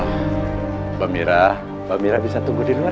mbak mira mbak mira bisa tunggu di luar ya